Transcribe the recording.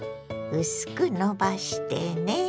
薄くのばしてね。